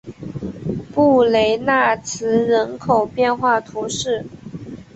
布雷纳兹人口变化图示